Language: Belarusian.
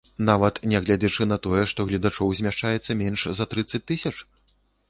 Нават нягледзячы на тое, што гледачоў змяшчаецца менш за трыццаць тысяч?